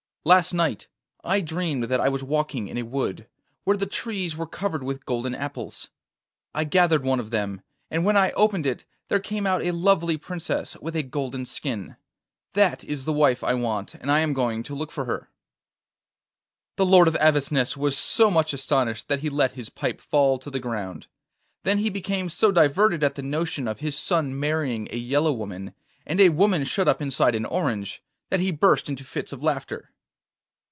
Last night I dreamed that I was walking in a wood, where the trees were covered with golden apples. I gathered one of them, and when I opened it there came out a lovely princess with a golden skin. That is the wife I want, and I am going to look for her.' The Lord of Avesnes was so much astonished that he let his pipe fall to the ground; then he became so diverted at the notion of his son marrying a yellow woman, and a woman shut up inside an orange, that he burst into fits of laughter.